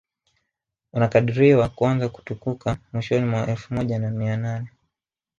unakadiriwa kuanza kutukuka mwishoni mwa elfu moja na mia nane